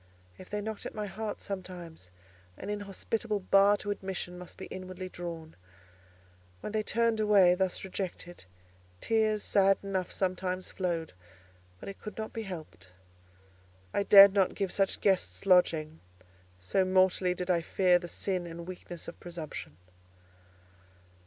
If they knocked at my heart sometimes, an inhospitable bar to admission must be inwardly drawn. When they turned away thus rejected, tears sad enough sometimes flowed: but it could not be helped: I dared not give such guests lodging. So mortally did I fear the sin and weakness of presumption.